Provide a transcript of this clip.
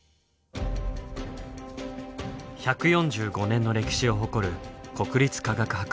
１４５年の歴史を誇る国立科学博物館。